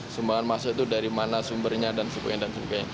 sumbangan masuk itu dari mana sumbernya dan sebagainya